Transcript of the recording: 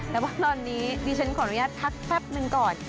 แต่ว่าตอนนี้ดิฉันขออนุญาตพักแป๊บหนึ่งก่อน